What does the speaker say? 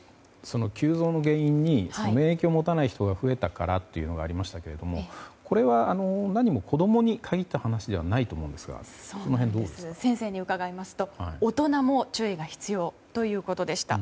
急増の原因に免疫を持たない人が増えたからというのがありましたがこれは何も、子供に限った話ではないと思うんですが先生に伺いますと、大人も注意が必要ということでした。